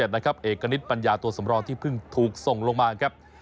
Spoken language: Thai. เอกณิตปัญญาตัวสำรองที่เพิ่งถูกส่งลงมาครับ